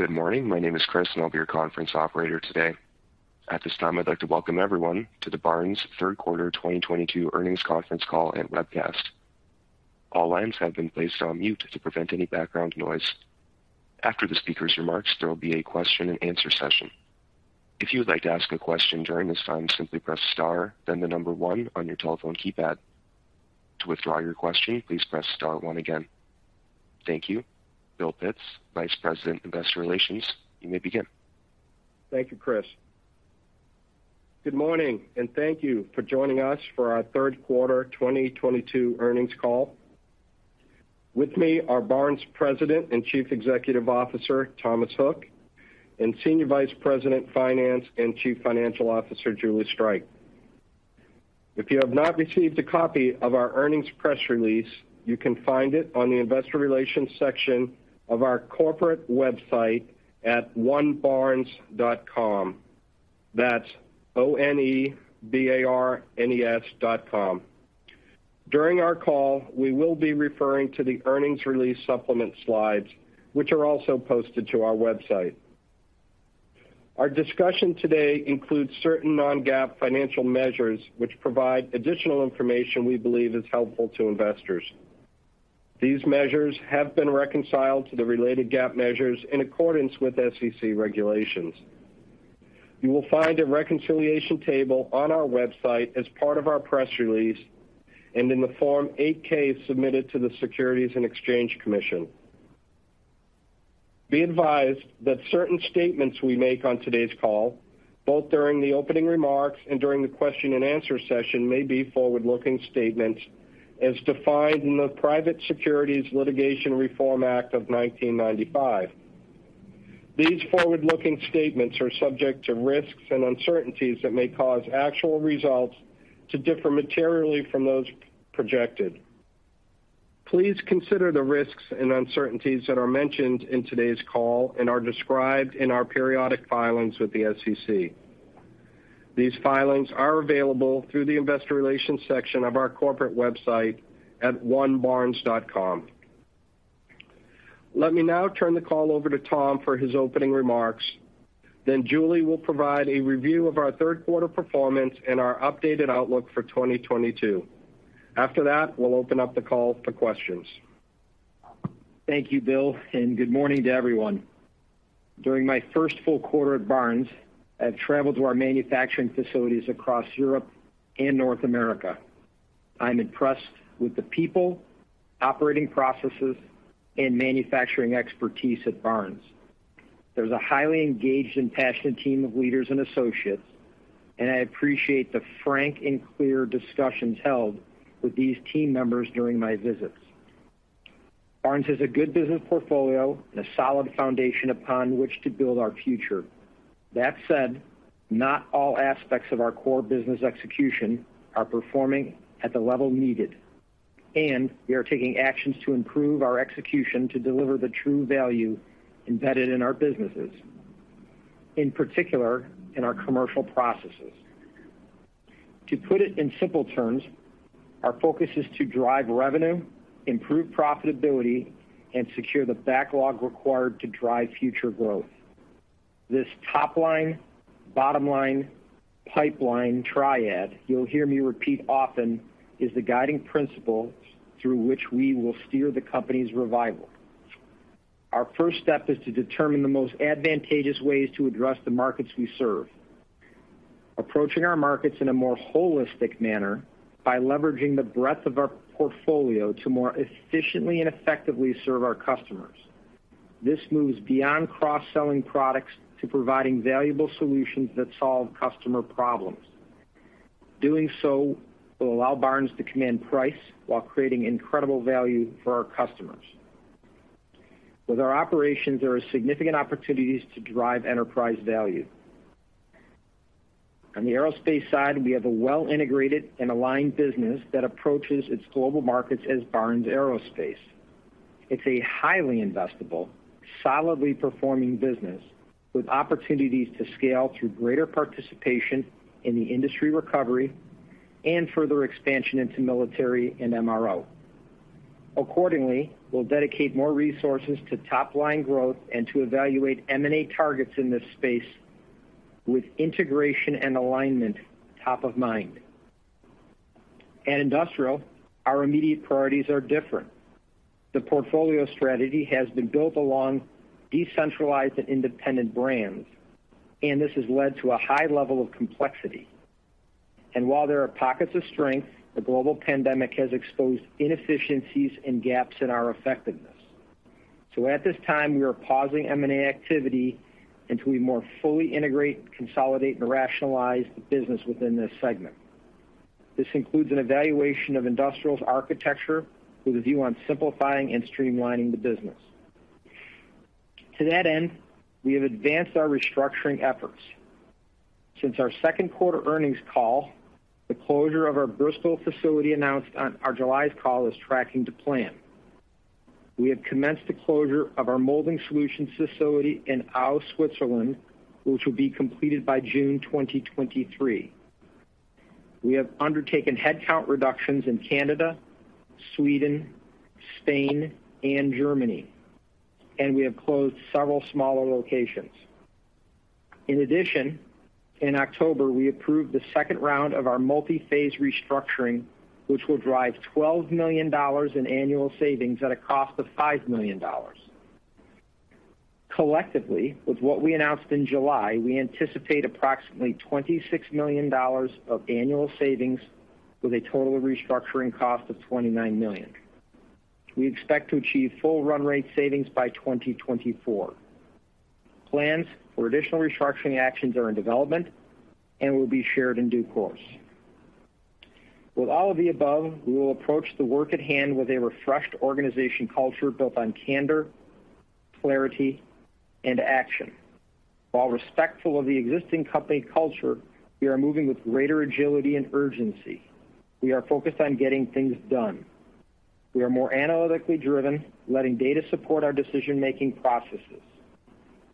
Good morning. My name is Chris, and I'll be your conference operator today. At this time, I'd like to welcome everyone to the Barnes third quarter 2022 earnings conference call and webcast. All lines have been placed on mute to prevent any background noise. After the speaker's remarks, there will be a question-and-answer session. If you would like to ask a question during this time, simply press star, then the number one on your telephone keypad. To withdraw your question, please press star one again. Thank you. William Pitts, Vice President, Investor Relations, you may begin. Thank you, Chris. Good morning, and thank you for joining us for our third quarter 2022 earnings call. With me are Barnes President and Chief Executive Officer, Thomas Hook, and Senior Vice President, Finance and Chief Financial Officer, Julie Streich. If you have not received a copy of our earnings press release, you can find it on the Investor Relations section of our corporate website at onebarnes.com. That's O-N-E-B-A-R-N-E-S dot com. During our call, we will be referring to the earnings release supplement slides, which are also posted to our website. Our discussion today includes certain non-GAAP financial measures which provide additional information we believe is helpful to investors. These measures have been reconciled to the related GAAP measures in accordance with SEC regulations. You will find a reconciliation table on our website as part of our press release and in the Form 8-K submitted to the Securities and Exchange Commission. Be advised that certain statements we make on today's call, both during the opening remarks and during the question-and-answer session, may be forward-looking statements as defined in the Private Securities Litigation Reform Act of 1995. These forward-looking statements are subject to risks and uncertainties that may cause actual results to differ materially from those projected. Please consider the risks and uncertainties that are mentioned in today's call and are described in our periodic filings with the SEC. These filings are available through the investor relations section of our corporate website at onebarnes.com. Let me now turn the call over to Tom for his opening remarks. Julie will provide a review of our third quarter performance and our updated outlook for 2022. After that, we'll open up the call for questions. Thank you, Bill, and good morning to everyone. During my first full quarter at Barnes, I've traveled to our manufacturing facilities across Europe and North America. I'm impressed with the people, operating processes, and manufacturing expertise at Barnes. There's a highly engaged and passionate team of leaders and associates, and I appreciate the frank and clear discussions held with these team members during my visits. Barnes has a good business portfolio and a solid foundation upon which to build our future. That said, not all aspects of our core business execution are performing at the level needed, and we are taking actions to improve our execution to deliver the true value embedded in our businesses, in particular, in our commercial processes. To put it in simple terms, our focus is to drive revenue, improve profitability, and secure the backlog required to drive future growth. This top line, bottom line, pipeline triad you'll hear me repeat often is the guiding principle through which we will steer the company's revival. Our first step is to determine the most advantageous ways to address the markets we serve. Approaching our markets in a more holistic manner by leveraging the breadth of our portfolio to more efficiently and effectively serve our customers. This moves beyond cross-selling products to providing valuable solutions that solve customer problems. Doing so will allow Barnes to command price while creating incredible value for our customers. With our operations, there are significant opportunities to drive enterprise value. On the aerospace side, we have a well integrated and aligned business that approaches its global markets as Barnes Aerospace. It's a highly investable, solidly performing business with opportunities to scale through greater participation in the industry recovery and further expansion into military and MRO. Accordingly, we'll dedicate more resources to top line growth and to evaluate M&A targets in this space with integration and alignment top of mind. At Industrial, our immediate priorities are different. The portfolio strategy has been built along decentralized and independent brands, and this has led to a high level of complexity. While there are pockets of strength, the global pandemic has exposed inefficiencies and gaps in our effectiveness. At this time, we are pausing M&A activity until we more fully integrate, consolidate, and rationalize the business within this segment. This includes an evaluation of Industrial's architecture with a view on simplifying and streamlining the business. To that end, we have advanced our restructuring efforts. Since our second quarter earnings call, the closure of our Bristol facility announced on our July call is tracking to plan. We have commenced the closure of our Molding Solutions facility in Aue, Germany, which will be completed by June 2023. We have undertaken headcount reductions in Canada, Sweden, Spain, and Germany, and we have closed several smaller locations. In addition, in October, we approved the second round of our multi-phase restructuring, which will drive $12 million in annual savings at a cost of $5 million. Collectively, with what we announced in July, we anticipate approximately $26 million of annual savings with a total restructuring cost of $29 million. We expect to achieve full run rate savings by 2024. Plans for additional restructuring actions are in development and will be shared in due course. With all of the above, we will approach the work at hand with a refreshed organization culture built on candor, clarity, and action. While respectful of the existing company culture, we are moving with greater agility and urgency. We are focused on getting things done. We are more analytically driven, letting data support our decision making processes,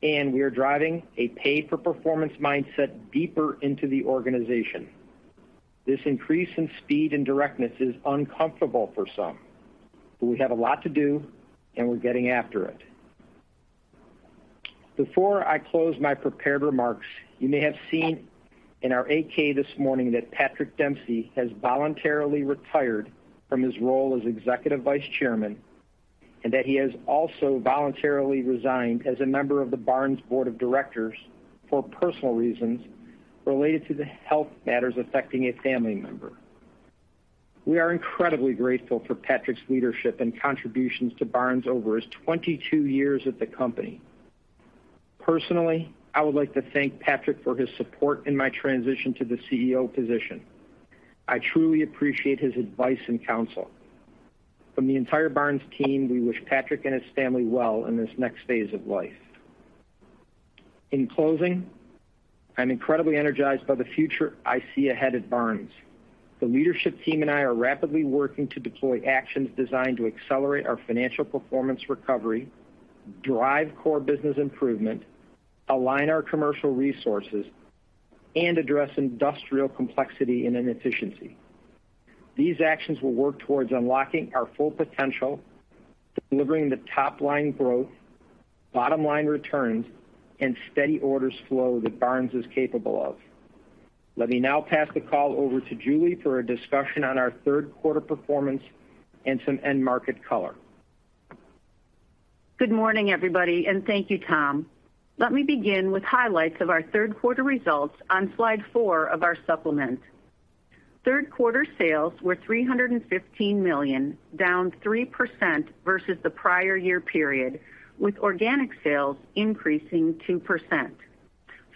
and we are driving a pay for performance mindset deeper into the organization. This increase in speed and directness is uncomfortable for some, but we have a lot to do, and we're getting after it. Before I close my prepared remarks, you may have seen in our 8-K this morning that Patrick Dempsey has voluntarily retired from his role as Executive Vice Chairman, and that he has also voluntarily resigned as a member of the Barnes Board of Directors for personal reasons related to the health matters affecting a family member. We are incredibly grateful for Patrick's leadership and contributions to Barnes over his 22 years at the company. Personally, I would like to thank Patrick for his support in my transition to the CEO position. I truly appreciate his advice and counsel. From the entire Barnes team, we wish Patrick and his family well in this next phase of life. In closing, I'm incredibly energized by the future I see ahead at Barnes. The leadership team and I are rapidly working to deploy actions designed to accelerate our financial performance recovery, drive core business improvement, align our commercial resources, and address industrial complexity and inefficiency. These actions will work towards unlocking our full potential, delivering the top line growth, bottom line returns, and steady orders flow that Barnes is capable of. Let me now pass the call over to Julie for a discussion on our third quarter performance and some end market color. Good morning, everybody, and thank you, Tom. Let me begin with highlights of our third quarter results on slide four of our supplement. Third quarter sales were $315 million, down 3% versus the prior year period, with organic sales increasing 2%.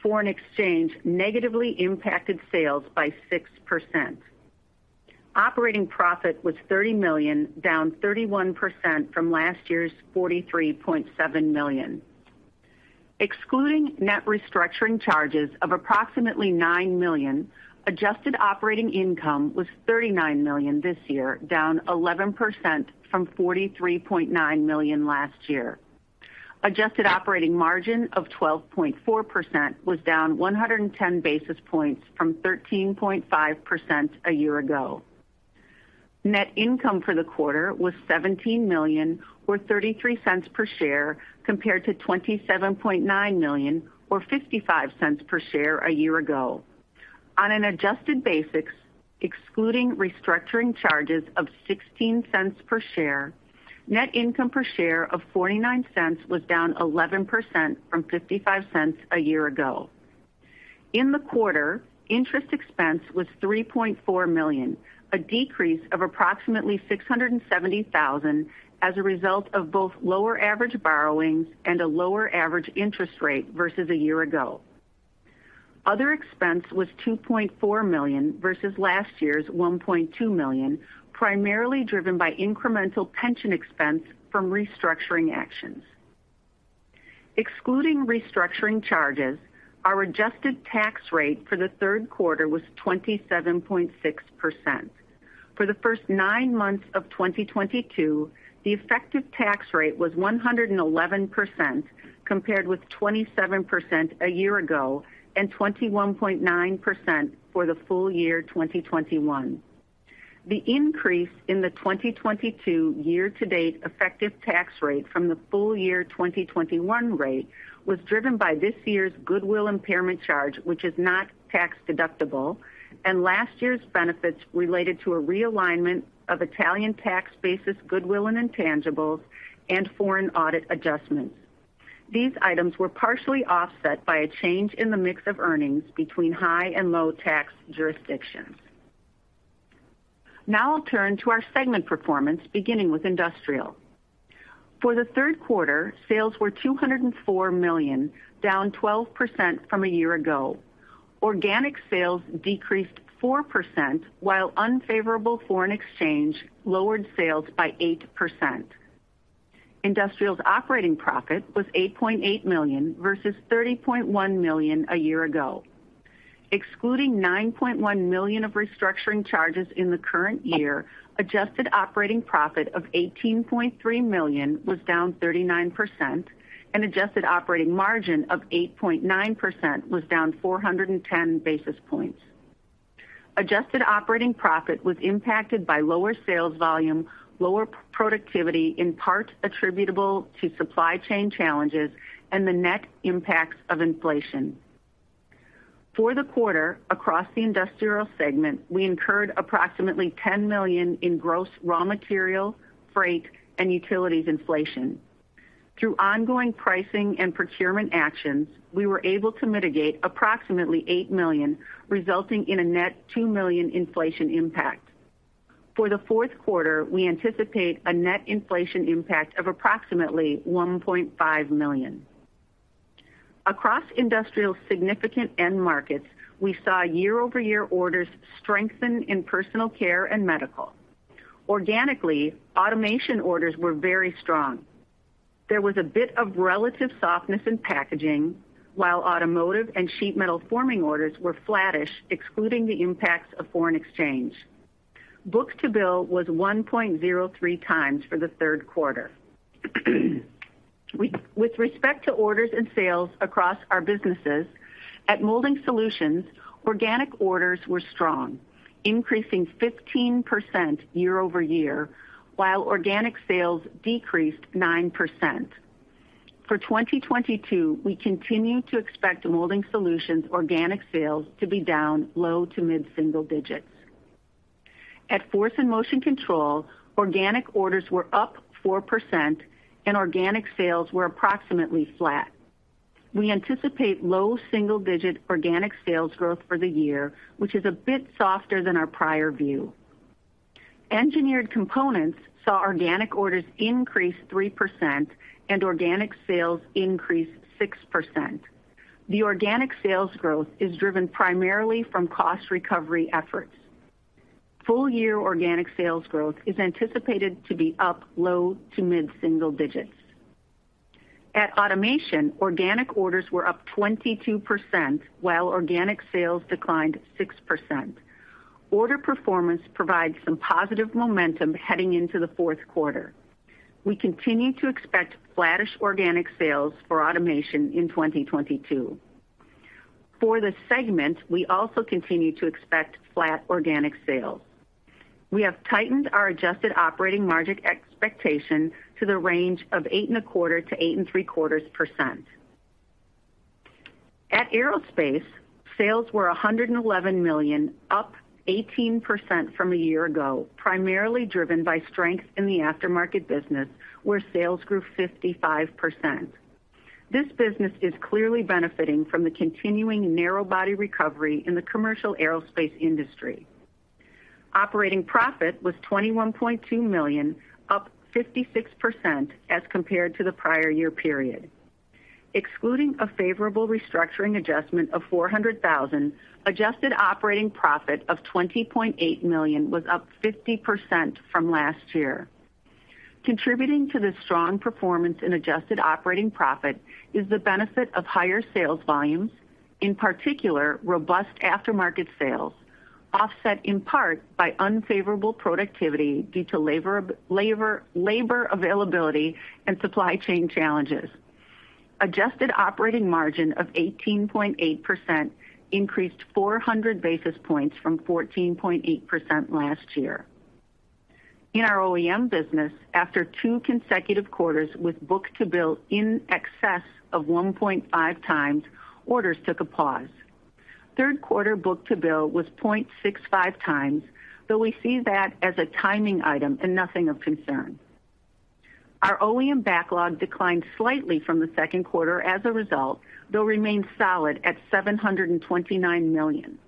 Foreign exchange negatively impacted sales by 6%. Operating profit was $30 million, down 31% from last year's $43.7 million. Excluding net restructuring charges of approximately $9 million, Adjusted operating income was $39 million this year, down 11% from $43.9 million last year. Adjusted operating margin of 12.4% was down 110 basis points from 13.5% a year ago. Net income for the quarter was $17 million or $0.33 per share, compared to $27.9 million or $0.55 per share a year ago. On an adjusted basis, excluding restructuring charges of $0.16 per share, net income per share of $0.49 was down 11% from $0.55 a year ago. In the quarter, interest expense was $3.4 million, a decrease of approximately $670,000 as a result of both lower average borrowings and a lower average interest rate versus a year ago. Other expense was $2.4 million versus last year's $1.2 million, primarily driven by incremental pension expense from restructuring actions. Excluding restructuring charges, our adjusted tax rate for the third quarter was 27.6%. For the first nine months of 2022, the effective tax rate was 111%, compared with 27% a year ago and 21.9% for the full year 2021. The increase in the 2022 year-to-date effective tax rate from the full year 2021 rate was driven by this year's goodwill impairment charge, which is not tax deductible, and last year's benefits related to a realignment of Italian tax basis goodwill and intangibles and foreign audit adjustments. These items were partially offset by a change in the mix of earnings between high and low tax jurisdictions. Now I'll turn to our segment performance, beginning with Industrial. For the third quarter, sales were $204 million, down 12% from a year ago. Organic sales decreased 4%, while unfavorable foreign exchange lowered sales by 8%. Industrial's operating profit was $8.8 million versus $30.1 million a year ago. Excluding $9.1 million of restructuring charges in the current year, Adjusted operating profit of $18.3 million was down 39%, and Adjusted operating margin of 8.9% was down 410 basis points. Adjusted operating profit was impacted by lower sales volume, lower productivity, in part attributable to supply chain challenges and the net impacts of inflation. For the quarter, across the Industrial segment, we incurred approximately $10 million in gross raw material, freight and utilities inflation. Through ongoing pricing and procurement actions, we were able to mitigate approximately $8 million, resulting in a net $2 million inflation impact. For the fourth quarter, we anticipate a net inflation impact of approximately $1.5 million. Across Industrial significant end markets, we saw YoY orders strengthen in personal care and medical. Organically, Automation orders were very strong. There was a bit of relative softness in packaging, while automotive and sheet metal forming orders were flattish, excluding the impacts of foreign exchange. Book-to-bill was 1.03x for the third quarter. With respect to orders and sales across our businesses, at Molding Solutions, organic orders were strong, increasing 15% YoY, while organic sales decreased 9%. For 2022, we continue to expect Molding Solutions organic sales to be down low to mid-single digits. At Force and Motion Control, organic orders were up 4% and organic sales were approximately flat. We anticipate low single-digit organic sales growth for the year, which is a bit softer than our prior view. Engineered Components saw organic orders increase 3% and organic sales increase 6%. The organic sales growth is driven primarily from cost recovery efforts. Full year organic sales growth is anticipated to be up low- to mid-single digits. At Automation, organic orders were up 22%, while organic sales declined 6%. Order performance provides some positive momentum heading into the fourth quarter. We continue to expect flattish organic sales for Automation in 2022. For the segment, we also continue to expect flat organic sales. We have tightened our Adjusted operating margin expectation to the range of 8.25%-8.75%. At Aerospace, sales were $111 million, up 18% from a year ago, primarily driven by strength in the aftermarket business, where sales grew 55%. This business is clearly benefiting from the continuing narrow body recovery in the commercial aerospace industry. Operating profit was $21.2 million, up 56% as compared to the prior year period. Excluding a favorable restructuring adjustment of $400,000, Adjusted operating profit of $20.8 million was up 50% from last year. Contributing to the strong performance in Adjusted operating profit is the benefit of higher sales volumes, in particular, robust aftermarket sales, offset in part by unfavorable productivity due to labor availability and supply chain challenges. Adjusted operating margin of 18.8% increased 400 basis points from 14.8% last year. In our OEM business, after two consecutive quarters with book-to-bill in excess of 1.5x, orders took a pause. Third quarter book-to-bill was 0.65x, though we see that as a timing item and nothing of concern. Our OEM backlog declined slightly from the second quarter as a result, though remained solid at $729 million.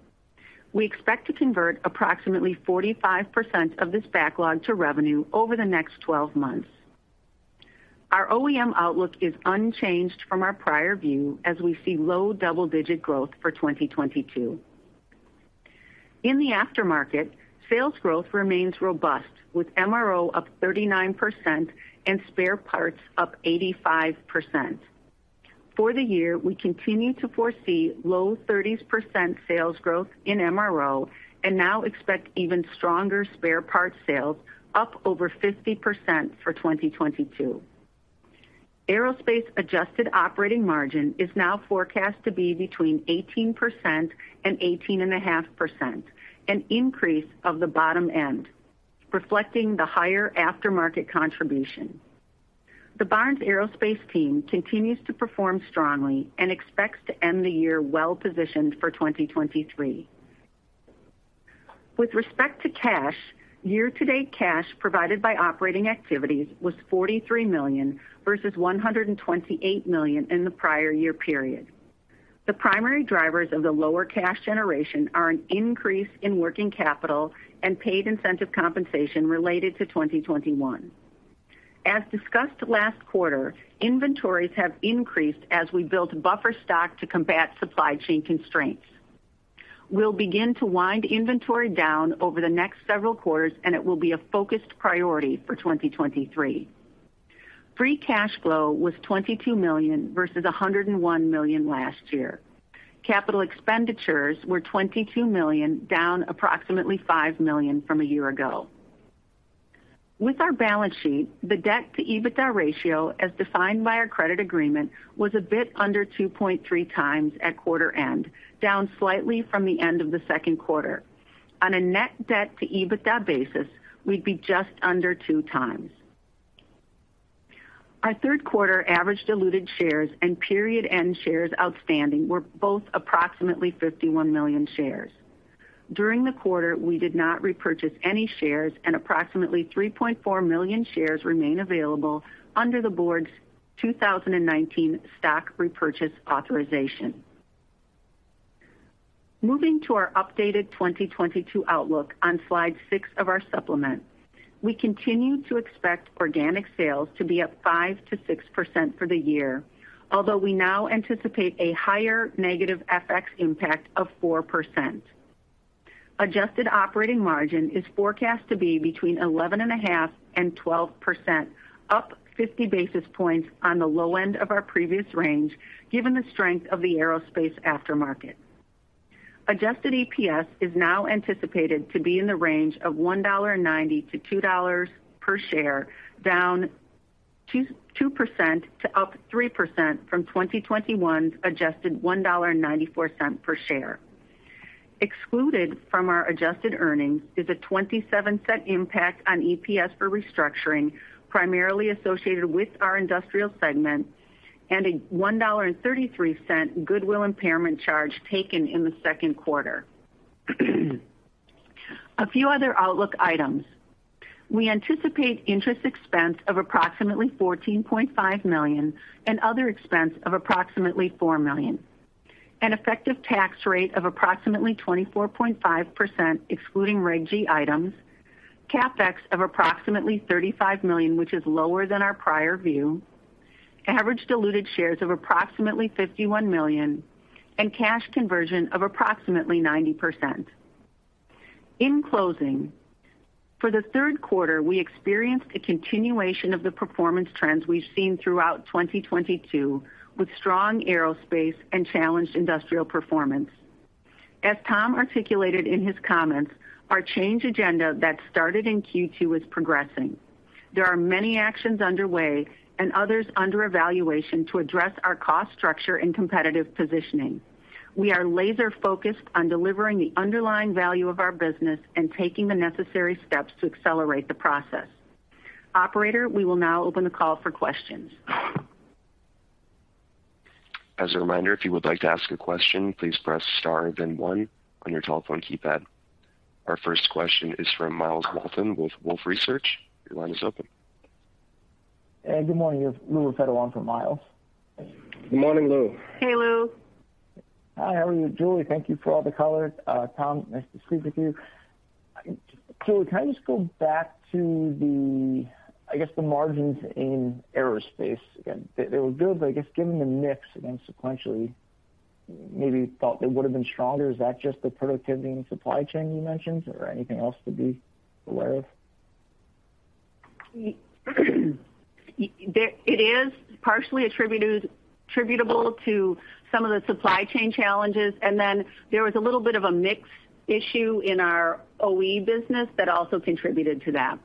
We expect to convert approximately 45% of this backlog to revenue over the next 12 months. Our OEM outlook is unchanged from our prior view as we see low double-digit growth for 2022. In the aftermarket, sales growth remains robust, with MRO up 39% and spare parts up 85%. For the year, we continue to foresee low 30%s sales growth in MRO and now expect even stronger spare parts sales up over 50% for 2022. Aerospace Adjusted operating margin is now forecast to be between 18% and 18.5%, an increase of the bottom end, reflecting the higher aftermarket contribution. The Barnes Aerospace team continues to perform strongly and expects to end the year well-positioned for 2023. With respect to cash, year-to-date cash provided by operating activities was $43 million, versus $128 million in the prior year period. The primary drivers of the lower cash generation are an increase in working capital and paid incentive compensation related to 2021. As discussed last quarter, inventories have increased as we built buffer stock to combat supply chain constraints. We'll begin to wind inventory down over the next several quarters, and it will be a focused priority for 2023. Free cash flow was $22 million versus $101 million last year. Capital expenditures were $22 million, down approximately $5 million from a year ago. With our balance sheet, the debt-to-EBITDA ratio as defined by our credit agreement was a bit under 2.3x at quarter end, down slightly from the end of the second quarter. On a net debt to EBITDA basis, we'd be just under 2x. Our third quarter average diluted shares and period end shares outstanding were both approximately 51 million shares. During the quarter, we did not repurchase any shares and approximately 3.4 million shares remain available under the board's 2019 stock repurchase authorization. Moving to our updated 2022 outlook on slide 6 of our supplement. We continue to expect organic sales to be up 5%-6% for the year, although we now anticipate a higher negative FX impact of 4%. Adjusted operating margin is forecast to be between 11.5% and 12%, up 50 basis points on the low end of our previous range, given the strength of the Aerospace aftermarket. Adjusted EPS is now anticipated to be in the range of $1.90-$2.00 per share, down 2% to up 3% from 2021's adjusted $1.94 per share. Excluded from our adjusted earnings is a $0.27 impact on EPS for restructuring, primarily associated with our Industrial segment, and a $1.33 goodwill impairment charge taken in the second quarter. A few other outlook items. We anticipate interest expense of approximately $14.5 million and other expense of approximately $4 million. An effective tax rate of approximately 24.5%, excluding Regulation G items, CapEx of approximately $35 million, which is lower than our prior view, average diluted shares of approximately 51 million, and cash conversion of approximately 90%. In closing, for the third quarter, we experienced a continuation of the performance trends we've seen throughout 2022, with strong Aerospace and challenged Industrial performance. As Thomas articulated in his comments, our change agenda that started in Q2 is progressing. There are many actions underway and others under evaluation to address our cost structure and competitive positioning. We are laser focused on delivering the underlying value of our business and taking the necessary steps to accelerate the process. Operator, we will now open the call for questions. As a reminder, if you would like to ask a question, please press star then one on your telephone keypad. Our first question is from Myles Walton with Wolfe Research. Your line is open. Hey, good morning. Lou with Wolfe on for Myles. Good morning, Lou. Hey, Lou. Hi, how are you? Julie, thank you for all the color. Thomas, nice to speak with you. Can I just go back to the, I guess, the margins in Aerospace again? They were good, but I guess given the mix again sequentially, maybe thought they would have been stronger. Is that just the productivity and supply chain you mentioned or anything else to be aware of? It is partially attributed, attributable to some of the supply chain challenges. There was a little bit of a mix issue in our OE business that also contributed to that.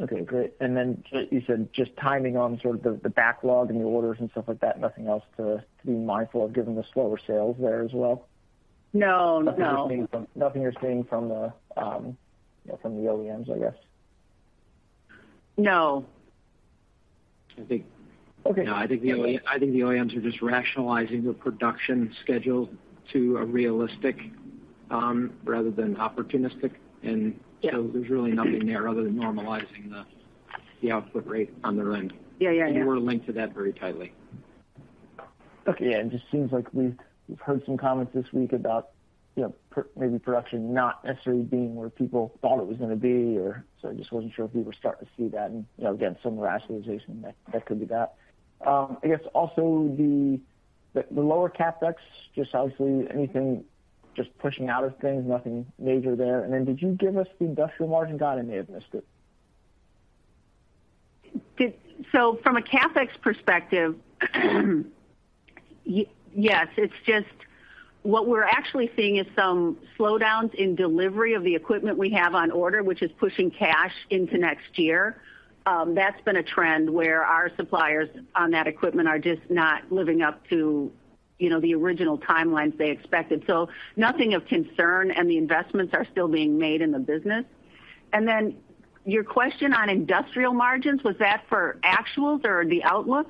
Okay, great. You said just timing on sort of the backlog and the orders and stuff like that. Nothing else to be mindful of given the slower sales there as well? No, no. Nothing you're seeing from the OEMs, I guess. No. I think. Okay. No, I think the OEMs are just rationalizing the production schedule to a realistic rather than opportunistic. Yeah. There's really nothing there other than normalizing the output rate on their end. Yeah, yeah. We're linked to that very tightly. Okay, yeah. It just seems like we've heard some comments this week about, you know, maybe production not necessarily being where people thought it was gonna be. I just wasn't sure if we were starting to see that. You know, again, some rationalization that could be that. I guess also the lower CapEx, just obviously anything just pushing out of things, nothing major there. Then did you give us the Industrial margin guide? I may have missed it. From a CapEx perspective, yes, it's just what we're actually seeing is some slowdowns in delivery of the equipment we have on order, which is pushing cash into next year. That's been a trend where our suppliers on that equipment are just not living up to, you know, the original timelines they expected. Nothing of concern and the investments are still being made in the business. Your question on Industrial margins, was that for actuals or the outlook?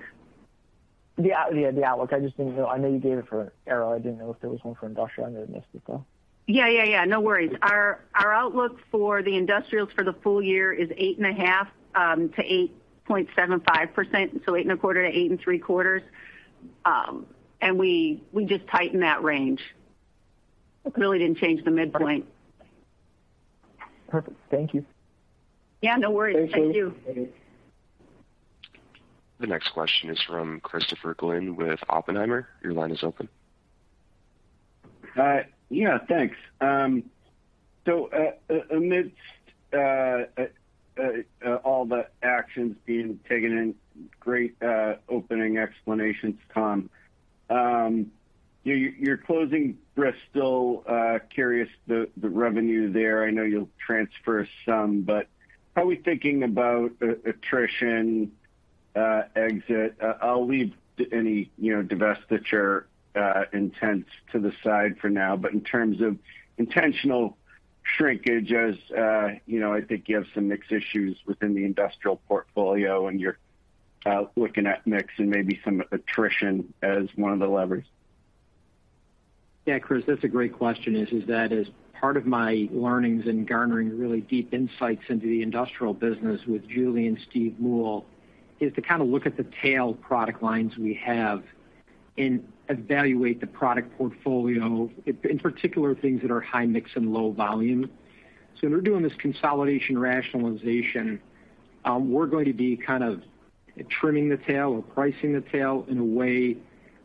Yeah, the outlook. I just didn't know. I know you gave it for aero. I didn't know if there was one for Industrial. I may have missed it though. Yeah, no worries. Our outlook for the Industrials for the full year is 8.5%-8.75%. 8.25-8.75%. We just tightened that range. Really didn't change the midpoint. Perfect. Thank you. Yeah, no worries. Thank you. Thank you. The next question is from Christopher Glynn with Oppenheimer. Your line is open. Yeah, thanks. So, amidst all the actions being taken and great opening explanations, Tom. You're closing Bristol. Curious about the revenue there. I know you'll transfer some, but how are we thinking about attrition, exit? I'll leave any, you know, divestiture intents to the side for now. In terms of intentional shrinkage as, you know, I think you have some mix issues within the Industrial portfolio and you're looking at mix and maybe some attrition as one of the levers. Yeah, Chris, that's a great question. Is that as part of my learnings in garnering really deep insights into the Industrial business with Julie and Steve Muehl to kind of look at the tail product lines we have and evaluate the product portfolio, in particular, things that are high mix and low volume. When we're doing this consolidation rationalization, we're going to be kind of trimming the tail or pricing the tail in a way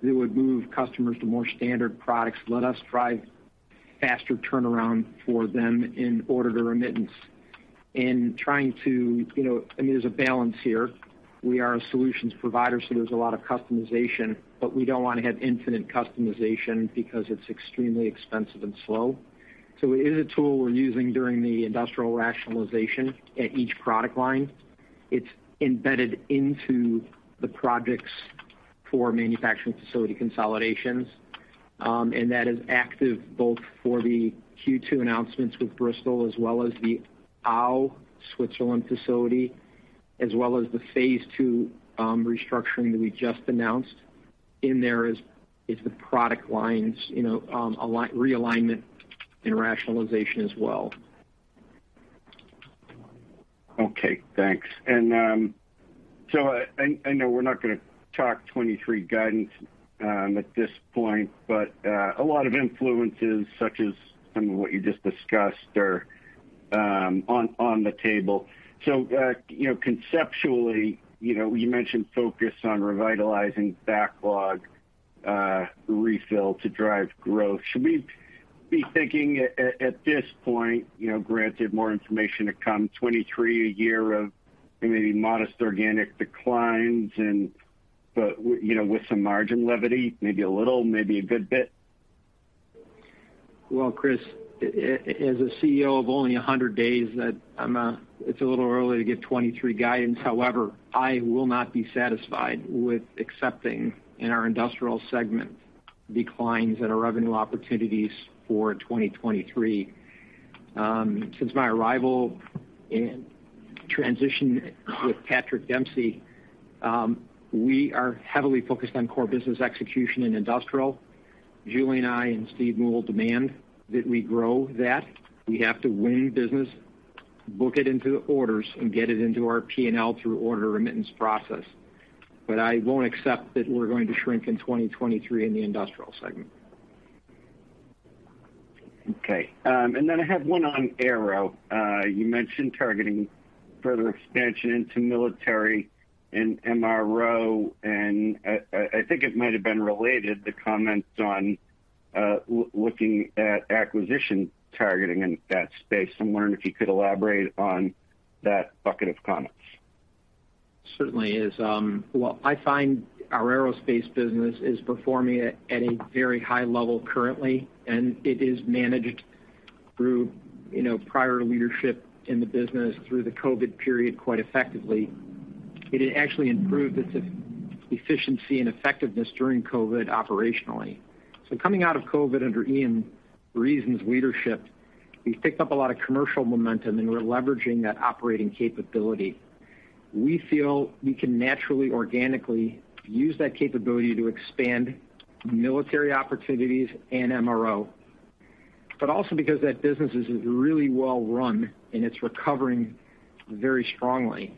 that would move customers to more standard products, let us drive faster turnaround for them in order to remit. In trying to, you know, I mean, there's a balance here. We are a solutions provider, so there's a lot of customization, but we don't want to have infinite customization because it's extremely expensive and slow. It is a tool we're using during the Industrial rationalization at each product line. It's embedded into the projects for manufacturing facility consolidations, and that is active both for the Q2 announcements with Bristol as well as the Aue, Germany facility, as well as the phase two restructuring that we just announced. In there is the product lines, you know, realignment and rationalization as well. Okay, thanks. I know we're not going to talk 2023 guidance at this point, but a lot of influences, such as some of what you just discussed, are on the table. You know, conceptually, you know, you mentioned focus on revitalizing backlog, refill to drive growth. Should we be thinking at this point, you know, granted more information to come, 2023 a year of maybe modest organic declines and, but you know, with some margin leverage, maybe a little, maybe a good bit? Well, Chris, as a CEO of only 100 days, it's a little early to give 2023 guidance. However, I will not be satisfied with accepting in our Industrial segment declines in our revenue opportunities for 2023. Since my arrival and transition with Patrick Dempsey, we are heavily focused on core business execution in Industrial. Julie and I and Steve Muehl demand that we grow that. We have to win business, book it into orders, and get it into our P&L through order remittance process. I won't accept that we're going to shrink in 2023 in the Industrial segment. Okay. I have one on Aero. You mentioned targeting further expansion into military and MRO, and I think it might have been related, the comments on looking at acquisition targeting in that space. I'm wondering if you could elaborate on that bucket of comments? Certainly is. Well, I find our Aerospace business is performing at a very high level currently, and it is managed through, you know, prior leadership in the business through the COVID period quite effectively. It had actually improved its efficiency and effectiveness during COVID operationally. Coming out of COVID under Ian M. Reason's leadership, we've picked up a lot of commercial momentum, and we're leveraging that operating capability. We feel we can naturally, organically use that capability to expand military opportunities and MRO. Also because that business is really well run and it's recovering very strongly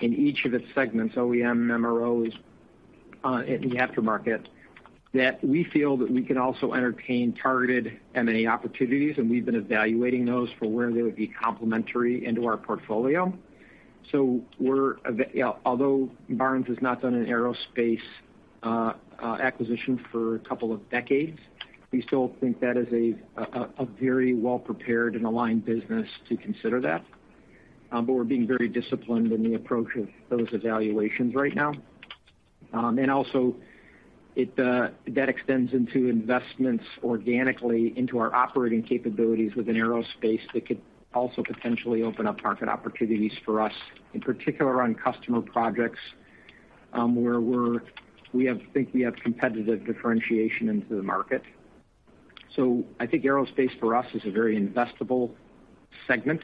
in each of its segments, OEM, MROs, in the aftermarket, that we feel that we can also entertain targeted M&A opportunities, and we've been evaluating those for where they would be complementary into our portfolio. Although Barnes has not done an Aerospace acquisition for a couple of decades, we still think that is a very well prepared and aligned business to consider that. We're being very disciplined in the approach of those evaluations right now. That extends into investments organically into our operating capabilities within Aerospace that could also potentially open up market opportunities for us, in particular on customer projects, where we think we have competitive differentiation into the market. I think Aerospace for us is a very investable segment,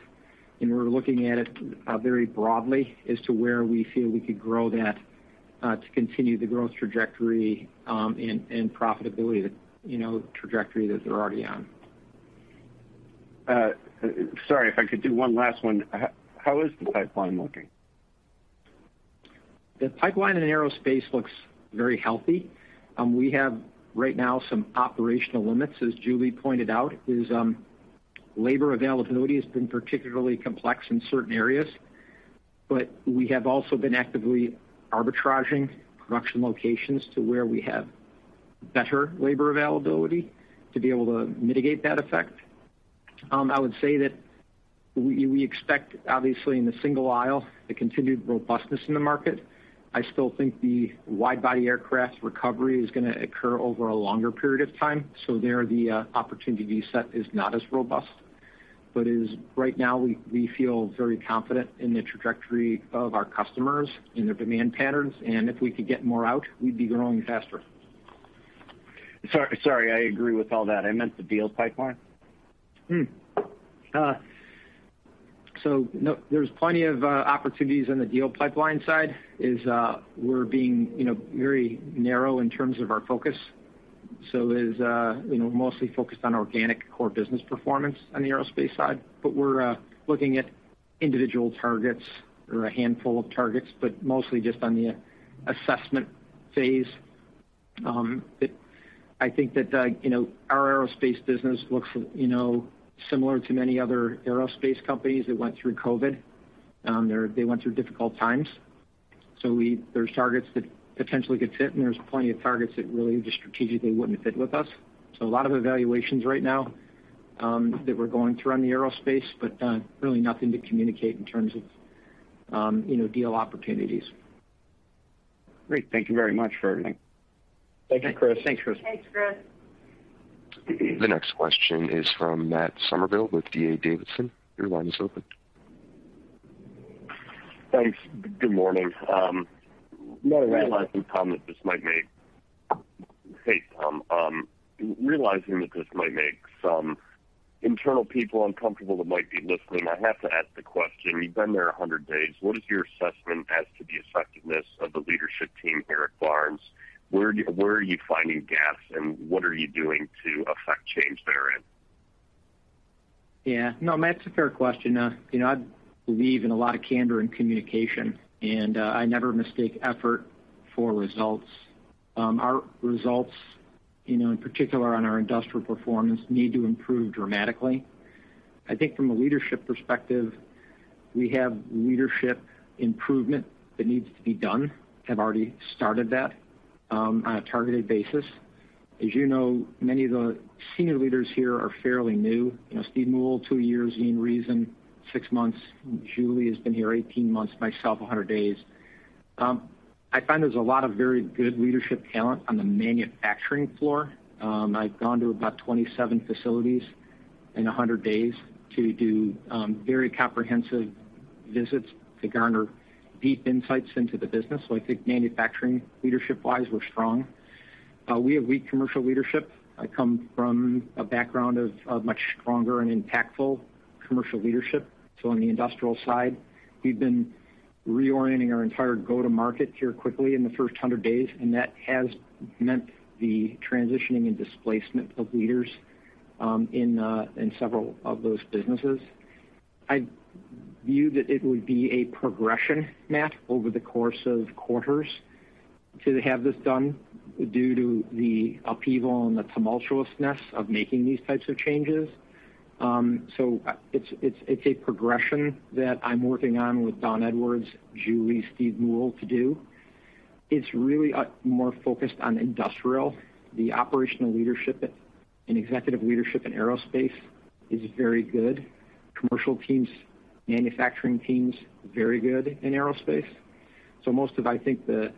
and we're looking at it very broadly as to where we feel we could grow that to continue the growth trajectory and profitability, you know, trajectory that they're already on. Sorry, if I could do one last one. How is the pipeline looking? The pipeline in Aerospace looks very healthy. We have right now some operational limits, as Julie pointed out, labor availability has been particularly complex in certain areas. We have also been actively arbitraging production locations to where we have better labor availability to be able to mitigate that effect. I would say that we expect obviously in the single aisle, the continued robustness in the market. I still think the wide body aircraft recovery is gonna occur over a longer period of time. There the opportunity set is not as robust. Right now, we feel very confident in the trajectory of our customers and their demand patterns, and if we could get more out, we'd be growing faster. Sorry. I agree with all that. I meant the deal pipeline. No, there's plenty of opportunities on the deal pipeline side is very narrow in terms of our focus. You know, is mostly focused on organic core business performance on the Aerospace side. But we're looking at individual targets or a handful of targets, but mostly just on the assessment phase. I think that, you know, our Aerospace business looks, you know, similar to many other Aerospace companies that went through COVID. They went through difficult times. There's targets that potentially could fit, and there's plenty of targets that really just strategically wouldn't fit with us. A lot of evaluations right now that we're going through on the Aerospace, but really nothing to communicate in terms of, you know, deal opportunities. Great. Thank you very much for everything. Thank you, Chris. Thanks, Chris. Thanks, Chris. The next question is from Matt Summerville with D.A. Davidson. Your line is open. Thanks. Good morning. Good morning, Matt. Hey, Tom. Realizing that this might make some internal people uncomfortable that might be listening, I have to ask the question. You've been there 100 days, what is your assessment as to the effectiveness of the leadership team here at Barnes? Where are you finding gaps, and what are you doing to affect change therein? Yeah. No, Matt, it's a fair question. You know, I believe in a lot of candor and communication, and I never mistake effort for results. Our results, you know, in particular on our Industrial performance, need to improve dramatically. I think from a leadership perspective, we have leadership improvement that needs to be done, have already started that, on a targeted basis. As you know, many of the senior leaders here are fairly new. You know, Steve Muehl, two years. Ian Reason, six months. Julie has been here 18 months, myself 100 days. I find there's a lot of very good leadership talent on the manufacturing floor. I've gone to about 27 facilities in 100 days to do very comprehensive visits to garner deep insights into the business. So I think manufacturing leadership-wise, we're strong. We have weak commercial leadership. I come from a background of much stronger and impactful commercial leadership. On the Industrial side, we've been reorienting our entire go-to-market here quickly in the first 100 days, and that has meant the transitioning and displacement of leaders in several of those businesses. I view that it would be a progression, Matt, over the course of quarters to have this done due to the upheaval and the tumultuousness of making these types of changes. It's a progression that I'm working on with Dawn Edwards, Julie, Steve Muehl to do. It's really more focused on Industrial. The operational leadership and executive leadership in Aerospace is very good. Commercial teams, manufacturing teams, very good in Aerospace. Most of, I think, the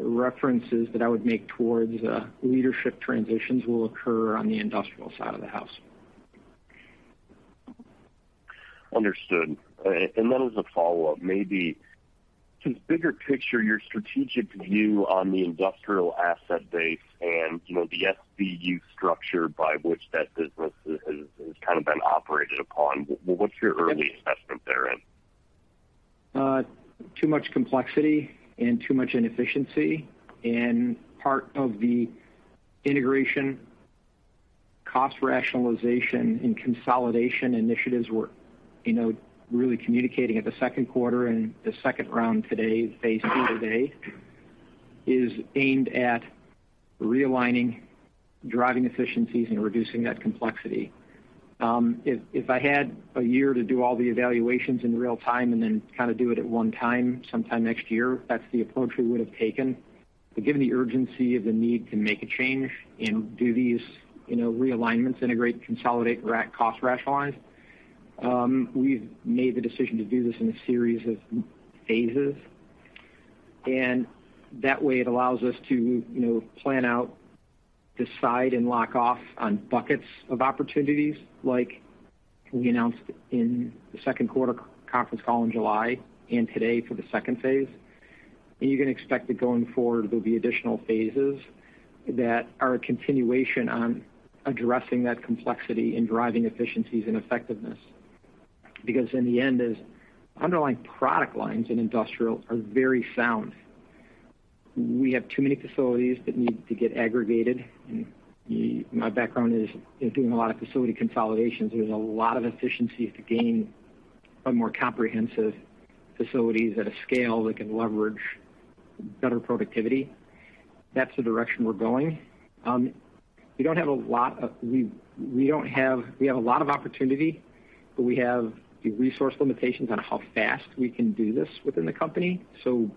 references that I would make towards leadership transitions will occur on the Industrial side of the house. Understood. As a follow-up, maybe just bigger picture, your strategic view on the Industrial asset base and, you know, the SBU structure by which that business has kind of been operated upon. What's your early assessment therein? Too much complexity and too much inefficiency. Part of the integration, cost rationalization, and consolidation initiatives we're, you know, really communicating at the second quarter and the second round today, phase two today, is aimed at realigning, driving efficiencies, and reducing that complexity. If I had a year to do all the evaluations in real time and then kind of do it at one time, sometime next year, that's the approach we would have taken. But given the urgency of the need to make a change and do these, you know, realignments, integrate, consolidate, cost rationalize, we've made the decision to do this in a series of phases. That way it allows us to, you know, plan out, decide, and lock off on buckets of opportunities like we announced in the second quarter conference call in July and today for the second phase. You can expect that going forward, there'll be additional phases that are a continuation on addressing that complexity and driving efficiencies and effectiveness. Because in the end, the underlying product lines in Industrial are very sound. We have too many facilities that need to get aggregated. My background is in doing a lot of facility consolidations. There's a lot of efficiency to gain on more comprehensive facilities at a scale that can leverage better productivity. That's the direction we're going. We have a lot of opportunity but we have the resource limitations on how fast we can do this within the company.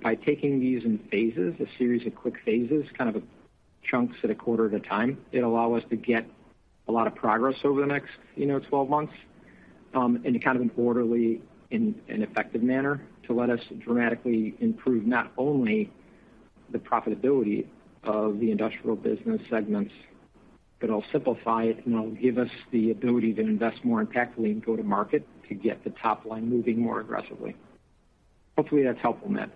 By taking these in phases, a series of quick phases, kind of chunks at a quarter at a time, it'll allow us to get a lot of progress over the next, you know, 12 months in a kind of an orderly and effective manner to let us dramatically improve not only the profitability of the Industrial business segments, but it'll simplify it and it'll give us the ability to invest more intentionally and go to market to get the top line moving more aggressively. Hopefully, that's helpful, Matt.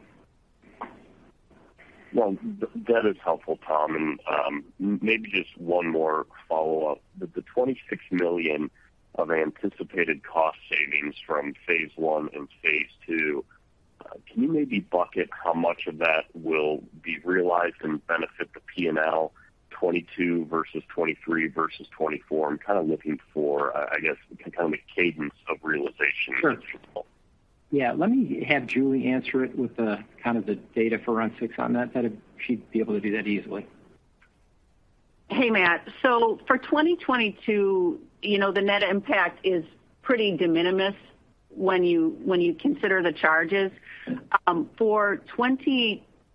Well, that is helpful, Thomas. Maybe just one more follow-up. The $26 million of anticipated cost savings from phase one and phase two, can you maybe bucket how much of that will be realized and benefit the P&L 2022 versus 2023 versus 2024? I'm kind of looking for, I guess, kind of a cadence of realization. Sure. Yeah. Let me have Julie answer it with the kind of the data forensics on that. She'd be able to do that easily. Hey, Matt. For 2022, you know, the net impact is pretty de minimis when you consider the charges. For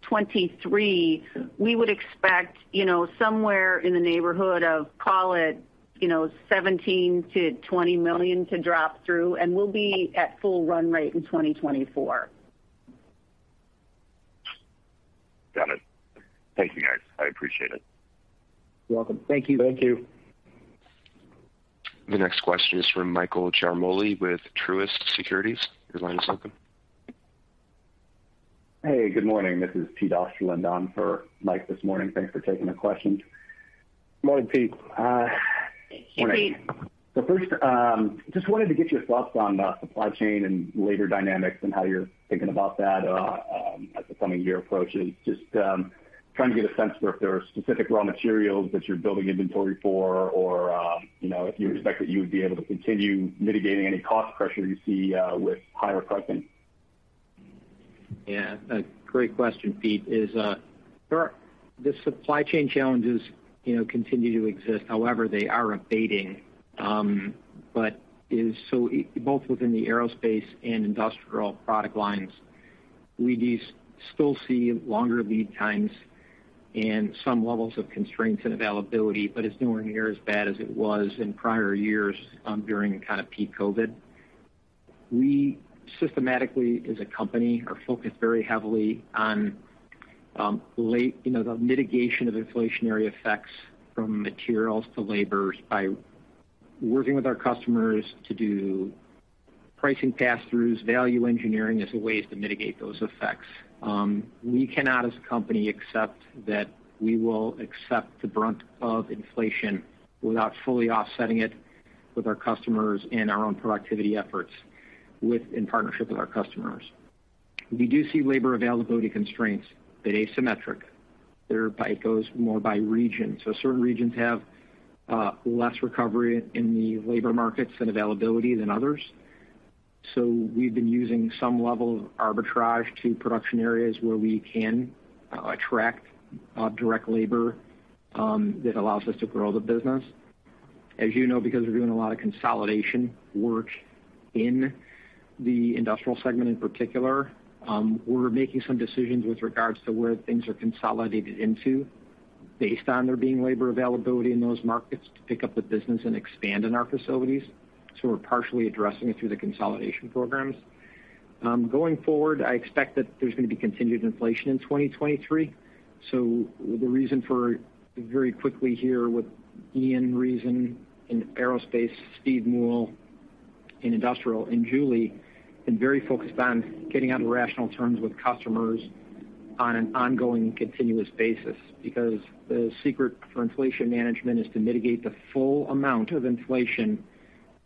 2023, we would expect, you know, somewhere in the neighborhood of, call it, you know, $17 million-$20 million to drop through, and we'll be at full run rate in 2024. Got it. Thank you, guys. I appreciate it. You're welcome. Thank you. Thank you. The next question is from Michael Ciarmoli with Truist Securities. Your line is open. Hey, good morning. This is Peter Osterland on for Mike this morning. Thanks for taking the questions. Morning, Pete. Hey, Pete. First, just wanted to get your thoughts on the supply chain and labor dynamics and how you're thinking about that, as the coming year approaches. Just, trying to get a sense for if there are specific raw materials that you're building inventory for or, you know, if you expect that you would be able to continue mitigating any cost pressure you see, with higher pricing. Yeah. A great question, Pete. There are the supply chain challenges, you know, continue to exist, however, they are abating. Both within the Aerospace and Industrial product lines, we do still see longer lead times and some levels of constraints and availability, but it's nowhere near as bad as it was in prior years, during the kind of peak COVID. We systematically, as a company, are focused very heavily on, you know, the mitigation of inflationary effects from materials to labor by working with our customers to do pricing pass-throughs, value engineering as ways to mitigate those effects. We cannot, as a company, accept that we will accept the brunt of inflation without fully offsetting it with our customers and our own productivity efforts in partnership with our customers. We do see labor availability constraints, but asymmetric. They vary by region. Certain regions have less recovery in the labor markets and availability than others. We've been using some level of arbitrage to production areas where we can attract direct labor that allows us to grow the business. As you know, because we're doing a lot of consolidation work in the Industrial segment in particular, we're making some decisions with regards to where things are consolidated into based on there being labor availability in those markets to pick up the business and expand in our facilities. We're partially addressing it through the consolidation programs. Going forward, I expect that there's going to be continued inflation in 2023. The reason for very quickly here with Ian Reason in Aerospace, Steve Muehl in Industrial, and Julie been very focused on getting on rational terms with customers on an ongoing, continuous basis. Because the secret for inflation management is to mitigate the full amount of inflation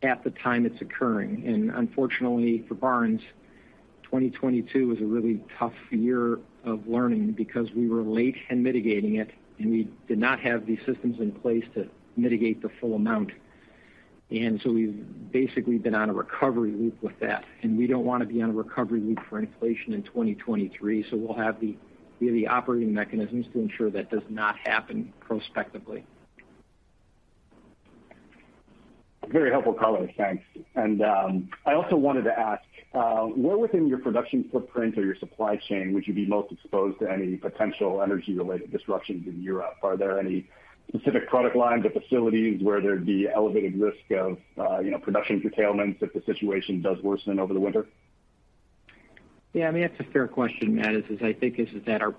at the time it's occurring. Unfortunately for Barnes, 2022 was a really tough year of learning because we were late in mitigating it, and we did not have the systems in place to mitigate the full amount. We've basically been on a recovery loop with that, and we don't want to be on a recovery loop for inflation in 2023, so we'll have the, you know, the operating mechanisms to ensure that does not happen prospectively. Very helpful, Thomas. Thanks. I also wanted to ask where within your production footprint or your supply chain would you be most exposed to any potential energy-related disruptions in Europe? Are there any specific product lines or facilities where there'd be elevated risk of production curtailments if the situation does worsen over the winter? Yeah, I mean, that's a fair question, Matt.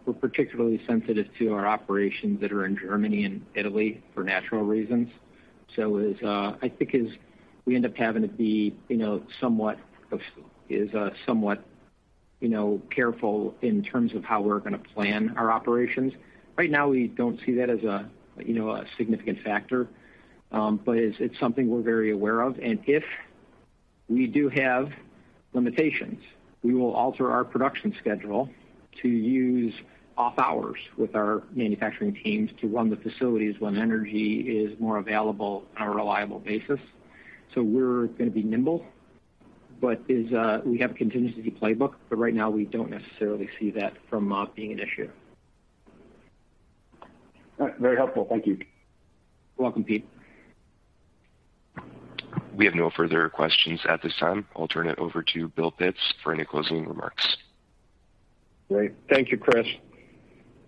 We're particularly sensitive to our operations that are in Germany and Italy for natural reasons. So, I think we end up having to be, you know, somewhat careful in terms of how we're gonna plan our operations. Right now, we don't see that as a, you know, a significant factor, but it's something we're very aware of. If we do have limitations, we will alter our production schedule to use off hours with our manufacturing teams to run the facilities when energy is more available on a reliable basis. So we're gonna be nimble, but we have a contingency playbook, but right now we don't necessarily see that as being an issue. All right. Very helpful. Thank you. You're welcome, Pete. We have no further questions at this time. I'll turn it over to William Pitts for any closing remarks. Great. Thank you, Chris.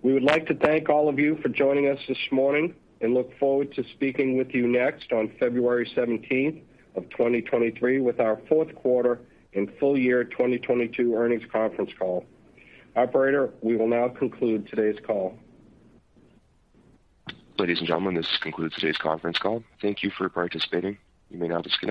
We would like to thank all of you for joining us this morning and look forward to speaking with you next on February seventeenth of 2023 with our fourth quarter and full year 2022 earnings conference call. Operator, we will now conclude today's call. Ladies and gentlemen, this concludes today's conference call. Thank you for participating. You may now disconnect.